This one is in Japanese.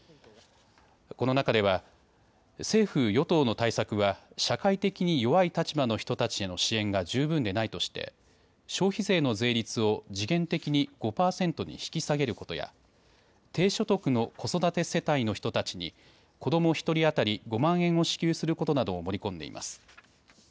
この中では政府与党の対策は社会的に弱い立場の人たちへの支援が十分でないとして消費税の税率を時限的に５％に引き下げることや低所得の子育て世帯の人たちに子ども１人当たり５万円を支給することなどを盛り込んでいます。